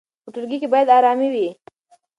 په ټولګي کې باید ارامي وي.